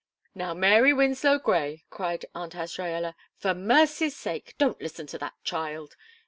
"Now, Mary Winslow Grey," cried Aunt Azraella, "for mercy's sake, don't listen to that child!